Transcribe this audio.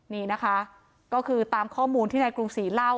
นี่นะคะก็คือตามข้อมูลที่นายกรุงศรีเล่า